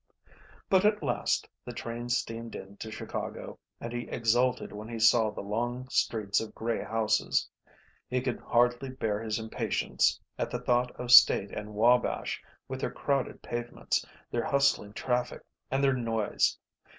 But at last the train steamed in to Chicago and he exulted when he saw the long streets of grey houses. He could hardly bear his impatience at the thought of State and Wabash with their crowded pavements, their hustling traffic, and their noise.